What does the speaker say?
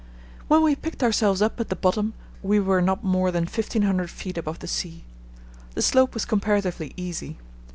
When we picked ourselves up at the bottom we were not more than 1500 ft. above the sea. The slope was comparatively easy.